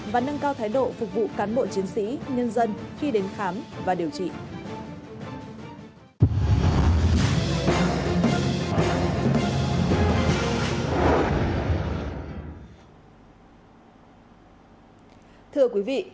và nâng cao thái độ phục vụ cán bộ chiến sĩ nhân dân khi đến khám và điều trị